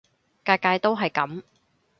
屆屆都係噉